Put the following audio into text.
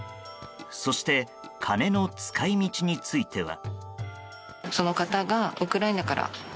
そして金の使い道については。